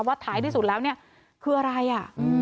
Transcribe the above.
ท้ายที่สุดแล้วเนี่ยคืออะไรอ่ะ